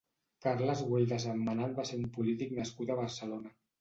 Carles Güell de Sentmenat va ser un polític nascut a Barcelona.